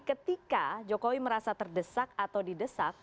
ketika jokowi merasa terdesak atau didesak